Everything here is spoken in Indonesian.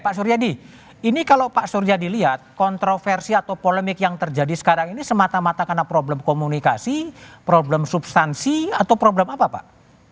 pak suryadi ini kalau pak suryadi lihat kontroversi atau polemik yang terjadi sekarang ini semata mata karena problem komunikasi problem substansi atau problem apa pak